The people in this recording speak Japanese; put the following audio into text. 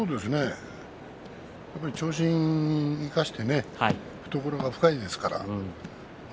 やっぱり長身を生かして懐が深いですから。